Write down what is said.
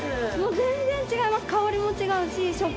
全然違います。